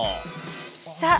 さあ